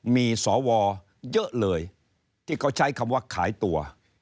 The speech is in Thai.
มีสวเยอะเลยที่เขาใช้คำว่าขายตัว